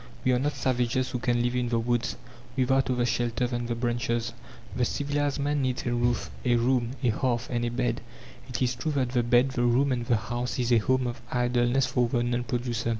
We are not savages who can live in the woods, without other shelter than the branches. The civilized man needs a roof, a room, a hearth, and a bed. It is true that the bed, the room, and the house is a home of idleness for the non producer.